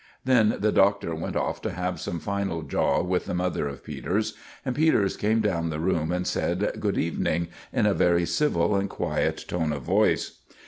Then the Doctor went off to have some final jaw with the mother of Peters; and Peters came down the room and said "Good evening" in a very civil and quiet tone of voice.